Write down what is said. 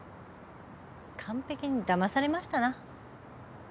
完璧にだまされましたな。